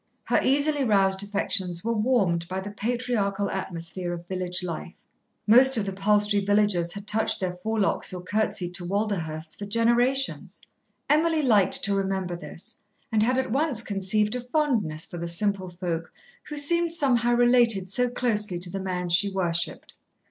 Her easily roused affections were warmed by the patriarchal atmosphere of village life. Most of the Palstrey villagers had touched their forelocks or curtsied to Walderhursts for generations. Emily liked to remember this, and had at once conceived a fondness for the simple folk, who seemed somehow related so closely to the man she worshipped.